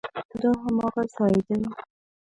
دا هماغه ځای دی؟